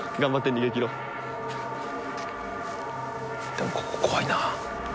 でもここ怖いな。